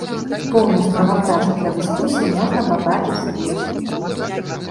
Поўную справаздачу пра дыскусію можна пабачыць тут.